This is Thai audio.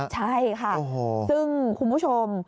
ใช่ค่ะซึ่งคุณผู้ชม